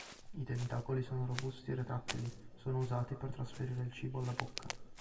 I tentacoli sono robusti e retrattili; sono usati per trasferire il cibo alla bocca.